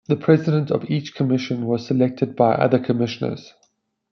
The president of each commission was selected by the other commissioners.